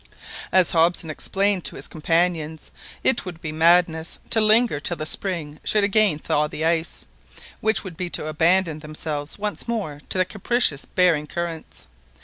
As Hobson explained to his companions, it would be madness to linger till the spring should again thaw the ice, which would be to abandon themselves once more to the capricious Behring currents.